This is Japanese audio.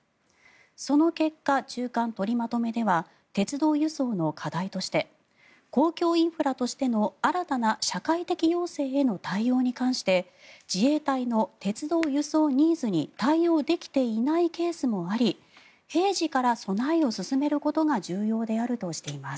その結果、中間取りまとめでは鉄道輸送の課題として公共インフラとしての新たな社会的要請への対応に関して自衛隊の鉄道輸送ニーズに対応できていないケースもあり平時から備えを進めることが重要であるとしています。